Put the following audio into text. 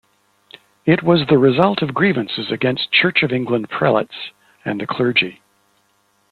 It was the result of grievances against Church of England prelates and the clergy.